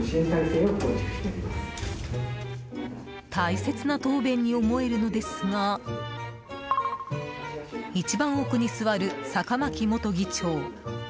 大切な答弁に思えるのですが一番奥に座る坂巻元議長